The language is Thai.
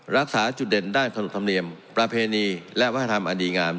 รักษาจุดเด่นด้านขนบธรรมเนียมประเพณีและวัฒนธรรมอันดีงาม